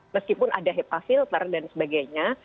meskipun ada hepa filter dan sebagainya